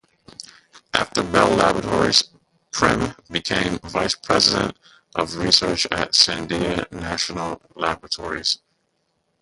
After Bell Laboratories, Prim became vice president of research at Sandia National Laboratories.